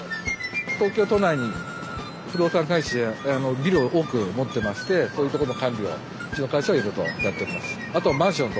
東京都内に不動産会社やビルを多く持ってましてそういうとこの管理をうちの会社はいろいろとやっております。